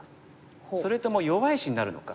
それとも弱い石になるのか。